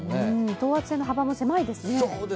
等圧線の幅も狭いですね。